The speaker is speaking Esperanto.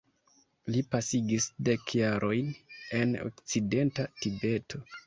Li pasigis dek jarojn en Okcidenta Tibeto.